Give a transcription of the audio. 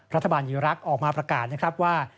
รัฐบาลอีรักษ์ออกมาประกาศว่า